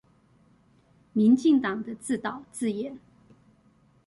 民進黨的自導自演